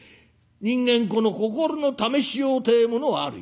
人間この心の試しようてえものはあるよ。